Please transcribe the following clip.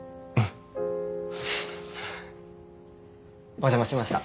お邪魔しました。